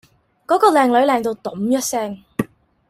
嗰個靚女靚到揼一聲